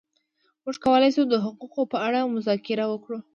موږ کولای شو د حقوقو په اړه مذاکره وکړو.